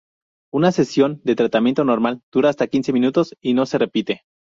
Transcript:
Una sesión de tratamiento normal dura hasta quince minutos, y no se repite.